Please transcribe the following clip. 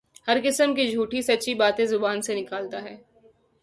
ہر قسم کی جھوٹی سچی باتیں زبان سے نکالتا ہے